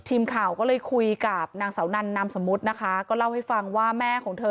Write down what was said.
ทีมข่าวก็เลยคุยกับนางสาวนันนามสมมุตินะคะก็เล่าให้ฟังว่าแม่ของเธอ